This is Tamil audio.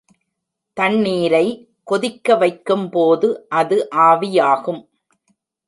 தண்ணீரரை கொதிக்க வைக்கும்போது அது ஆவியாகும்.